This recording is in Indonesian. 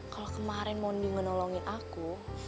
kalau kemarin mondi menolongin aku